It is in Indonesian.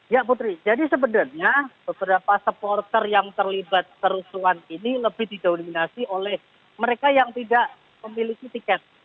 ya putri jadi sebenarnya beberapa supporter yang terlibat kerusuhan ini lebih didominasi oleh mereka yang tidak memiliki tiket